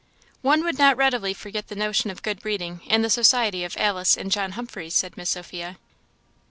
"One would not readily forget the notion of good breeding in the society of Alice and John Humphreys," said Miss Sophia.